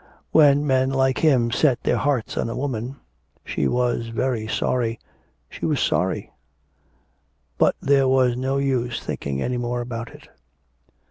When men like him set their hearts on a woman she was very sorry, she was sorry. But there was no use thinking any more about it...